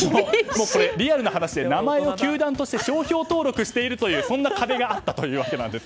リアルな話で、名前を球団として商標登録しているという壁があったんです。